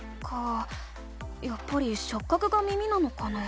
やっぱりしょっ角が耳なのかな？